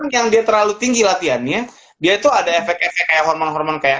yang dia terlalu tinggi latihannya dia tuh ada efek efek kayak hormon hormon kayak